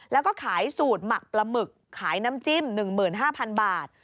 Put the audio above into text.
แล้วก็ขายสูตรหมักปลาหมึกขายน้ำจิ้ม๑๕๐๐๐บาท